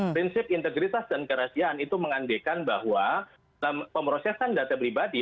prinsip integritas dan kerahasiaan itu mengandekan bahwa dalam pemrosesan data pribadi